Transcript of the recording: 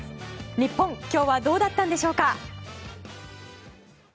日本、今日はどうだったんでしょうか。